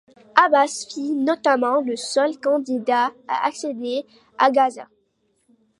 Abbas fut notamment le seul candidat à accéder à Gaza.